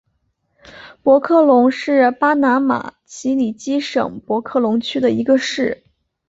博克龙是巴拿马奇里基省博克龙区的一个市。